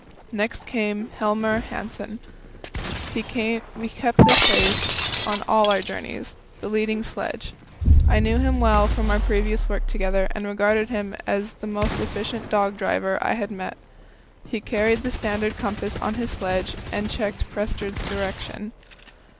Next came Helmer Hanssen. He kept this place on all our journeys the leading sledge. I knew him well from our previous work together, and regarded him as the most efficient dog driver I had met. He carried the standard compass on his sledge and checked Prestrud's direction.